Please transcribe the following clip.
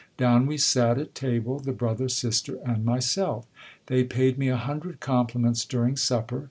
Down we sat at table, the brother, sister, and myself. They paid me a hundred compli ments during supper.